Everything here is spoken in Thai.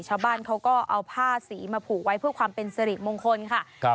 ชาวบ้านเขาก็เอาผ้าสีมาผูกไว้เพื่อความเป็นสิริมงคลค่ะ